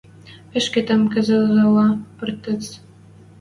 Паштекем кӹцӹзӹлӓ пӧртӹц.